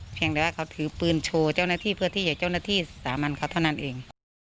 เพียงแต่ว่าเขาถือปืนโชว์เจ้าหน้าที่เพื่อที่จะเจ้าหน้าที่สามัญเขาเท่านั้นเอง